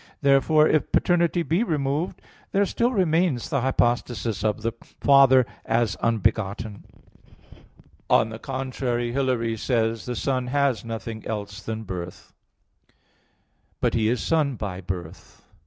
Therefore, if paternity be removed, there still remains the hypostasis of the Father as unbegotten. On the contrary, Hilary says (De Trin. iv): "The Son has nothing else than birth." But He is Son by "birth."